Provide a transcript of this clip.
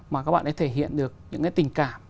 mà các bạn ấy thể hiện được những cái tình cảm